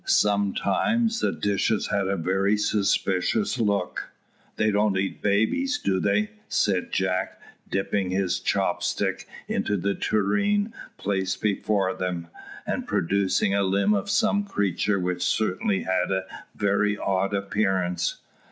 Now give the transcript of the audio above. Sometimes the dishes had a very suspicious look. "They don't eat babies, do they?" said Jack, dipping his chop stick into the tureen placed before them, and producing a limb of some creature which certainly had a very odd appearance.